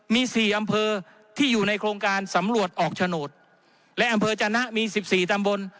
มี๔อำเภอที่อยู่ในโครงการสำรวจออกโฉนดและอำเภอจนะมี๑๔ตำบล